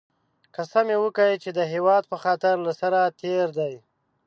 قسم یې وکی چې د هېواد په خاطر له سره تېر دی